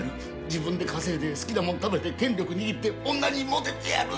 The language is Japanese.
自分で稼いで好きなもの食べて権力握って女にモテてやる！